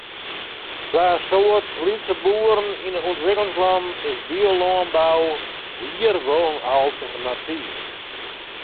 Foar in soad lytse boeren yn de ûntwikkelingslannen is biolânbou wier wol in alternatyf.